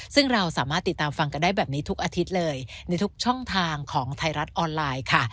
ซึ่งเราสามารถติดตามฟังกันได้แบบนี้ทุกอาทิตย์เลยในทุกช่องทางของไทยรัฐออนไลน์ค่ะ